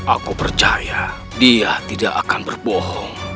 aku percaya dia tidak akan berbohong